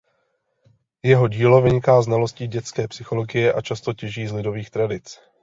Jeho dílo vyniká znalostí dětské psychologie a často těží z lidových tradic.